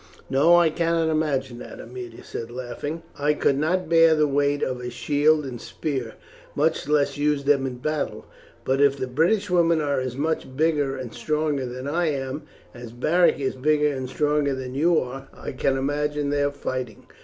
"No, I cannot imagine that," Aemilia said laughing. "I could not bear the weight of a shield and spear, much less use them in battle. But if the British women are as much bigger and stronger than I am, as Beric is bigger and stronger than you are, I can imagine their fighting.